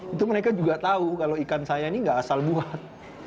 itu mereka juga tahu kalau ikan saya ini nggak asal buat